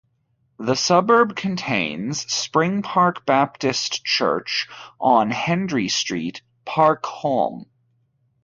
The suburb contains Springpark Baptist Church on Hendrie Street, Park Holme.